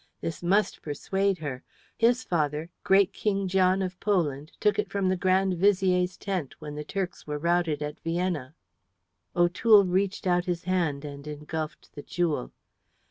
This must persuade her. His father, great King John of Poland, took it from the Grand Vizier's tent when the Turks were routed at Vienna." O'Toole reached out his hand and engulfed the jewel.